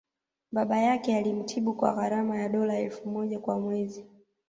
Baba yake alimtibu kwa gharama ya dola elfu moja kwa mwezi